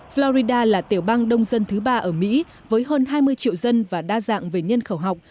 florida là tiểu bang đông dân thứ ba ở mỹ với hơn hai mươi triệu dân và đa dạng về nhân khẩu học